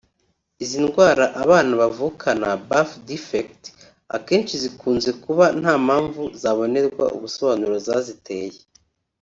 Izi ndwara abana bavukana (Birth defects) akenshi zikunze kuba nta mpamvu zabonerwa ubusobanuro zaziteye